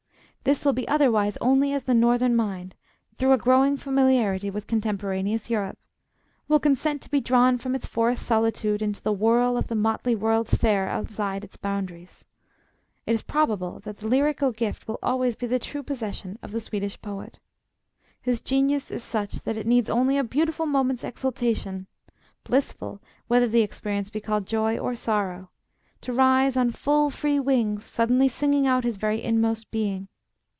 This will be otherwise only as the northern mind, through a growing familiarity with contemporaneous Europe, will consent to be drawn from its forest solitude into the whirl of the motley World's Fair outside its boundaries. It is probable that the lyrical gift will always be the true possession of the Swedish poet. His genius is such that it needs only a beautiful moment's exaltation (blissful, whether the experience be called joy or sorrow) to rise on full, free wings, suddenly singing out his very inmost being.